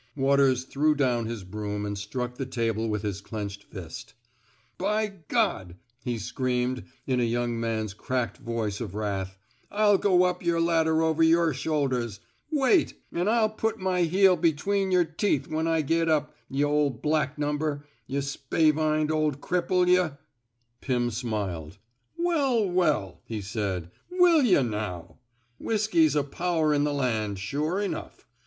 Waters threw down his broom and struck the table with his clenched fist. By G 1 " he screamed, in a young man's cracked voice of wrath, I'll go up yer ladder over yer shoulders! Wait! An' I'll put my heel between yer teeth when I get up, y' ol' back number, yuh spavined ol' cripple, yuh." Pim smiled. '* Well, well," he said. Will yuh, now? Whiskey's a power in the land, sure enough.